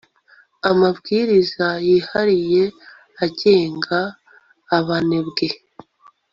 amabwiriza yihariye agenga abanebwe